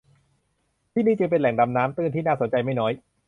ที่นี่จึงเป็นแหล่งดำน้ำตื้นที่น่าสนใจไม่น้อย